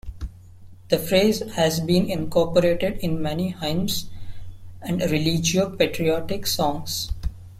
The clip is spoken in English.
The phrase has been incorporated in many hymns and religio-patriotic songs.